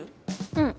うん。